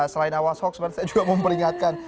selain awas hoax saya juga mau peringatkan